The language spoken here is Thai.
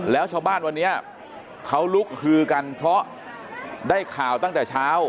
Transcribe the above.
แล้วชาวบ้านวันนี้เขาลุกฮือกันเพราะได้ข่าวตั้งแต่เช้า